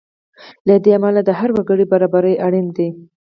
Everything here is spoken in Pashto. له دې امله د هر وګړي برابري اړینه ده.